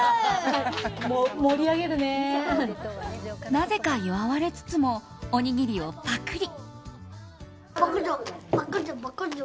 なぜか祝われつつもおにぎりをパクリ。